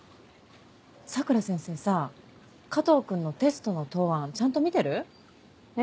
佐倉先生さ加藤君のテストの答案ちゃんと見てる？え？